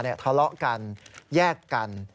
ทะเลาะกันแยกกัน